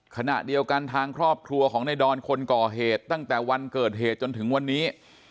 ขณะเดียวกันทางครอบครัวของในดอนคนก่อเหตุตั้งแต่วันเกิดเหตุจนถึงวันนี้